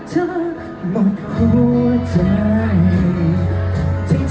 ทุกคนคิดว่าจะทำอย่างไร